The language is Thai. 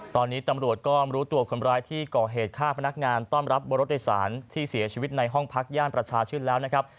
ตอนนี้ตำรวจก็รู้ตัวคนร้ายที่ก่อเหตุฆ่าพนักงานต้อนรับบนรถโดยสารที่เสียชีวิตในห้องพักย่านประชาชื่นแล้วนะครับ